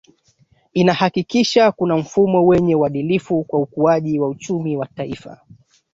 inahakikisha kuna mfumo wenye uadilifu kwa ukuaji wa uchumi wa taifa